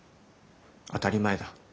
当たり前だ。